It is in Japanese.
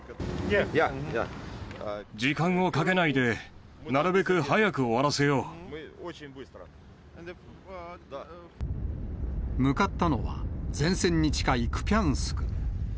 時間をかけないで、向かったのは、前線に近いクピャンスク。